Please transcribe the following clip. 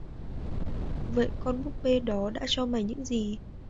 vậy con búp bê đó đã cho mày những gì